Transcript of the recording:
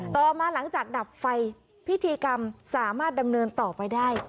ต่อมาหลังจากดับไฟพิธีกรรมสามารถดำเนินต่อไปได้